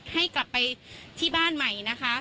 ให้กลับไปที่บ้านใหม่นะคะ